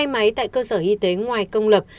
hai máy tại cơ sở y tế ngoài công lập